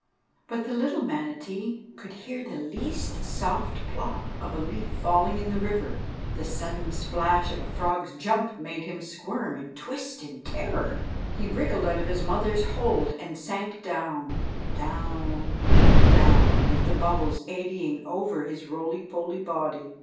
But the little manatee could hear the least soft plop of a leaf falling in the river. The sudden splash of a frog's jump made him squirm and twist in terror. He wriggled out of his mother's hold, and sank down, down, down, with the bubbles eddying over his roly poly body.